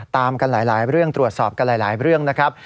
ตามกันหลายเรื่องตรวจสอบกันหลายเรื่องนะครับ